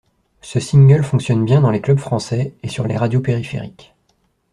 Ce single fonctionne bien dans les clubs français et sur les radios périphériques.